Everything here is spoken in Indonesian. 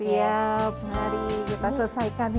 siap mari kita selesaikan ini